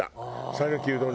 讃岐うどん。